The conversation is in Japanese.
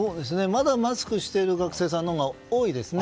まだマスクをしている学生さんのほうが多いですね。